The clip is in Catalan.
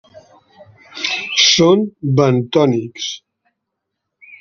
Són bentònics.